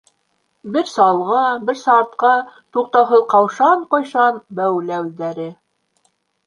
Берсә алға, берсә артҡа туҡтауһыҙ ҡаушан-ҡойшан бәүелә үҙҙәре.